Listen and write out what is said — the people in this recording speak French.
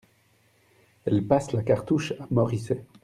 Elle passe la cartouche à Moricet.